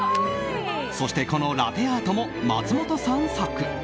そして、このラテアートも松本さん作。